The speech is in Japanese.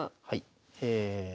はい。